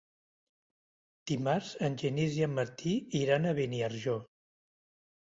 Dimarts en Genís i en Martí iran a Beniarjó.